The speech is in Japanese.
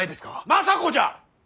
政子じゃ！